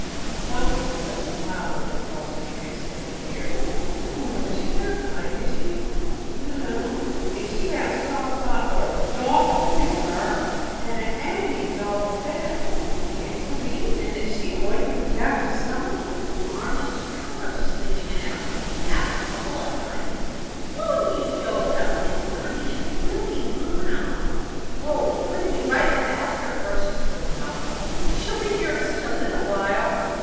Something like a smile moved the tramp's stubby beard. "So she's that kind, is she? Well, if she could have a soft spot for a dog that had bit her, and an enemy's dog at that, it stands to reason that she wouldn't object to some harmless travellers a sleeping in an empty cabin a couple of nights. S'pose'n you show us the place, sonny, and we'll be moving on." "Oh, it wouldn't be right not to ask her first," exclaimed Malcolm. "She'll be here in such a little while."